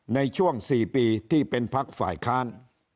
ในช่วง๔ปีที่เป็นพักฝ่ายค้าน